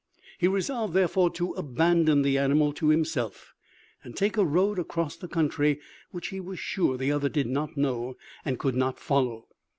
He resolved therefore to abandon the animal to himself, and take a road across the country which he was sure the other did not know, and could not follow.